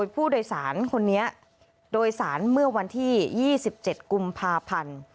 ผู้โดยสารคนนี้โดยสารเมื่อวันที่๒๗กุมภาพันธ์